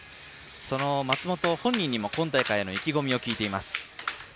その松元本人にも今大会の意気込みを聞いています。